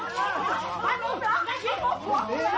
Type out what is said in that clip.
มาเย็นตรงนี้เลยไป